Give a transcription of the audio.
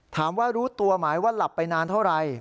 ถามว่ารู้ตัวหมายว่าหลับไปนานเท่าไร